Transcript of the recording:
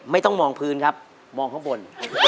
ไม่ต้องมองพื้นครับมองข้างบน